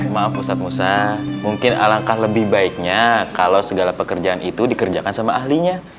maaf pusat musa mungkin alangkah lebih baiknya kalau segala pekerjaan itu dikerjakan sama ahlinya